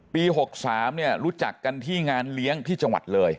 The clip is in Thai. ๖๓รู้จักกันที่งานเลี้ยงที่จังหวัดเลย